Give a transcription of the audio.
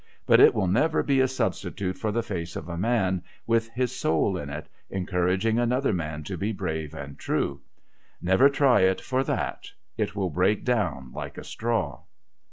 But it will never be a substitute for the face of a man, with his soul in it, encouraging another man to be brave and true. Never try it for that. It will break down like a straw.